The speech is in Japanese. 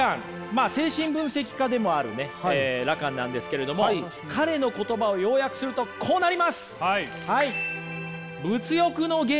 まあ精神分析家でもあるねラカンなんですけれども彼の言葉を要約するとこうなります。